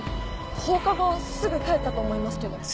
放課後すぐ帰ったと思いますけど。